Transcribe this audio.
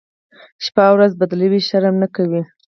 شپه ورځ بدلوي، شرم نه کوي.